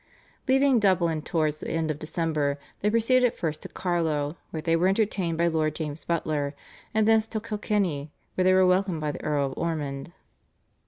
Leaving Dublin towards the end of December they proceeded first to Carlow, where they were entertained by Lord James Butler, and thence to Kilkenny, where they were welcomed by the Earl of Ormond.